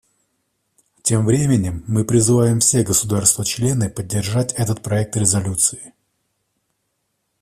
Тем временем мы призываем все государства-члены поддержать этот проект резолюции.